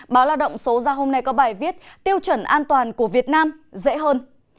báo lao động số ra hôm nay có bài viết tiêu chuẩn an toàn của việt nam dễ hơn